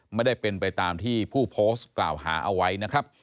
ไม่ได้เป็นไปตามที่ผู้โพสต์กล่าวหาเอาไว้นะครับ